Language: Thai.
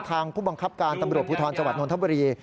ทางผู้บังคับการตำรวจภูทรจวัตน์นนทบุรี